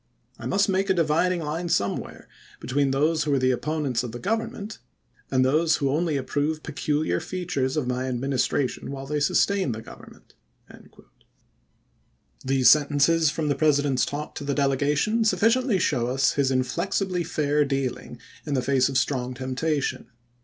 I must make a dividing line somewhere between those who are the opponents of the Government, and those who only approve peculiar features of my Administration while they sustain the Govern Diary. ment." These sentences from the President's talk to the delegation sufficiently show us his inflexibly fair dealing in the face of strong temptation.